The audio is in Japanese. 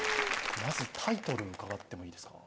まずタイトル伺ってもいいですか？